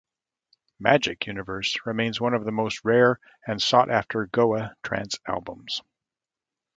Magick Universe remains one of the most rare and sought after Goa trance albums.